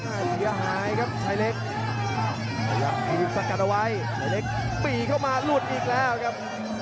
เสียหายครับชายเล็กพยายามยืนสกัดเอาไว้ชายเล็กปี่เข้ามาหลุดอีกแล้วครับ